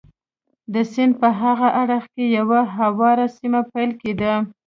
د سیند په هاغه اړخ کې یوه هواره سیمه پیل کېده.